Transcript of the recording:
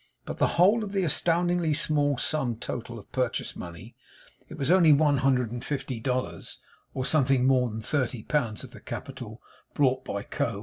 But the whole of the astoundingly small sum total of purchase money it was only one hundred and fifty dollars, or something more than thirty pounds of the capital brought by Co.